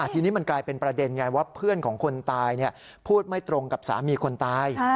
ทีนี้มันกลายเป็นประเด็นไงว่าเพื่อนของคนตายพูดไม่ตรงกับสามีคนตาย